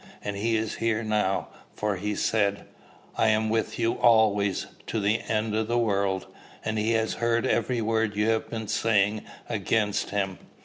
And he is here now; for he said, 'I am with you alway, to the end of the world;' and he has heard every word you have been saying against him.